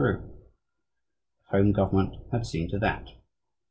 The Home government had seen to that.